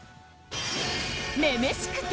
「女々しくて」